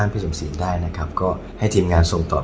แล้ววันนี้ผมมีสิ่งหนึ่งนะครับเป็นตัวแทนกำลังใจจากผมเล็กน้อยครับ